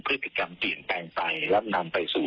พฤติกรรมติดแปลงไปแล้วนำไปสู่